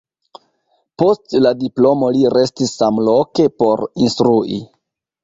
Post la diplomo li restis samloke por instrui.